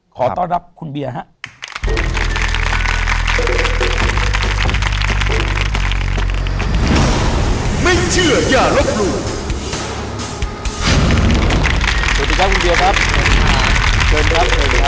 ขอต้อนรับคุณเบียร์ครับ